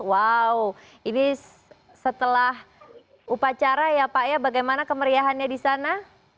wow ini setelah upacara ya pak ya bagaimana kemeriahannya di sana